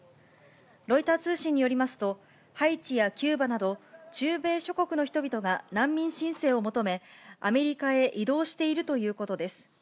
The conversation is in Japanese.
ロイター通信によりますと、ハイチやキューバなど、中米諸国の人々が難民申請を求め、アメリカへ移動しているということです。